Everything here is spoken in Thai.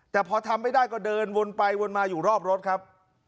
แต่พอทำไม่ได้ก็เดินวนไปวนมาอยู่รอบรถครับ